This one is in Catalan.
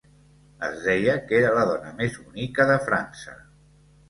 Es deia que era la dona més bonica de França.